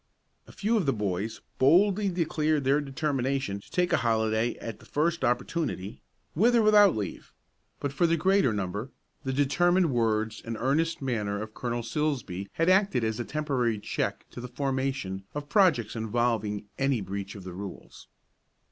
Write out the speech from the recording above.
A few of the boys boldly declared their determination to take a holiday at the first opportunity, with or without leave; but for the greater number, the determined words and earnest manner of Colonel Silsbee had acted as a temporary check to the formation of projects involving any breach of the rules.